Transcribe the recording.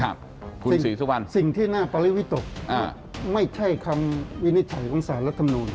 ครับดูว่าสิ่งที่น่าปริวิตกไม่ใช่คำวินิจฉัยของสารรัฐมนุน